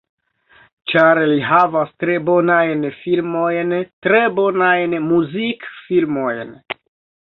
Ĉar li havas tre bonajn filmojn tre bonajn muzikfilmojn.